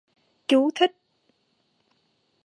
Chú thích